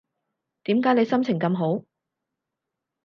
點解你心情咁好